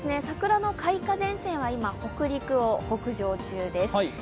桜の開花前線は今、北陸を北上中です。